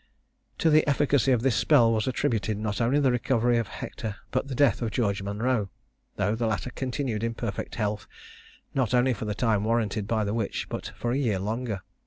To the efficacy of this spell was attributed not only the recovery of Hector, but the death of George Monro, though the latter continued in perfect health not only for the time warranted by the witch, but for a year longer.